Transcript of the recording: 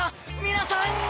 皆さんー！